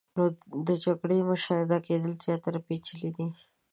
نو د جګړو مشاهده کېدل زیاتره پیچلې دي.